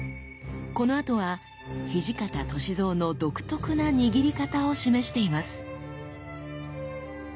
この跡は土方歳三の独特な握り方を示しています。